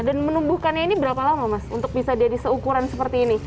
dan menumbuhkannya ini berapa lama mas untuk bisa jadi seukuran seperti ini